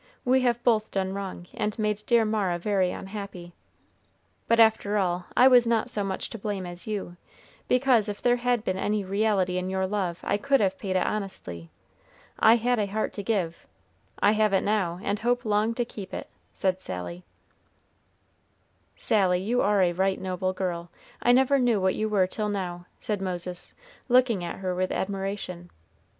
We have both done wrong, and made dear Mara very unhappy. But after all, I was not so much to blame as you; because, if there had been any reality in your love, I could have paid it honestly. I had a heart to give, I have it now, and hope long to keep it," said Sally. "Sally, you are a right noble girl. I never knew what you were till now," said Moses, looking at her with admiration.